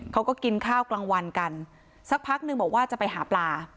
เขาก็กินข้าวกลางวันกันสักพักนึงบอกว่าจะไปหาปลา